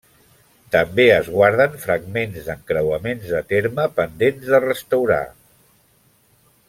També es guarden fragments d'encreuaments de terme pendent de restaurar.